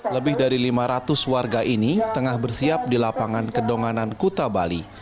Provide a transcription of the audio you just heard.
lebih dari lima ratus warga ini tengah bersiap di lapangan kedonganan kuta bali